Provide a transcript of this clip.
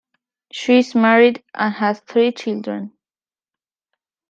She is married and has three children.